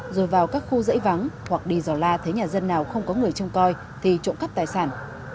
rồi vào các khu dãy vắng hoặc đi giò la thấy nhà dân nào không có người trông coi thì trộm cắp tài sản